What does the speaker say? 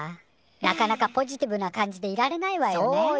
なかなかポジティブな感じでいられないわよね。